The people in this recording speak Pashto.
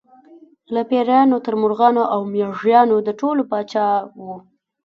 له پېریانو تر مرغانو او مېږیانو د ټولو پاچا و.